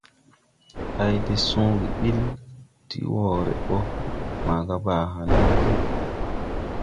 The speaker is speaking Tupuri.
Hay de sõõge ɓil ti wɔɔre ɓɔ maga Baa hããn mo Ŋgiŋ.